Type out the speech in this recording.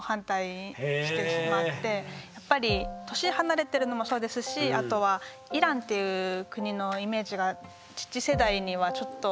やっぱり年離れてるのもそうですしあとはイランっていう国のイメージが父世代にはちょっと。